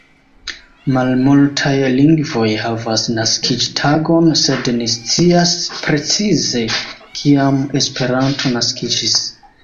Malmultaj lingvoj havas naskiĝtagon, sed ni scias, precize kiam Esperanto naskiĝis.